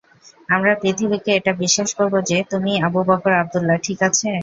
আমরা পৃথিবীকে এটা বিশ্বাস করাবো যে, তুমিই আবু বকর আবদুল্লাহ, ঠিক আছে?